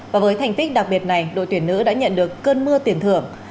và với thành tích đặc biệt này đội tuyển nữ đã nhận được cơn mưa tiền thưởng